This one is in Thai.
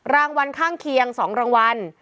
รางวัลข้างเคียง๒รางวัล